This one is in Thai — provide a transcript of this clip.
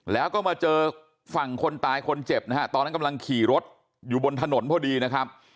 แล้วก็มาเจอฝั่งคนตายคนเจ็บนะฮะตอนนั้นกำลังขี่รถอยู่บนถนนพอดีนะครับ